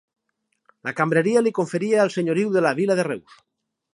La Cambreria li conferia el senyoriu de la vila de Reus.